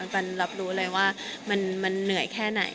ปันรับรู้เลยว่ามันเหนื่อยแค่ไหน